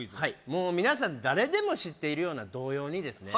もう皆さん誰でも知っているような童謡にですね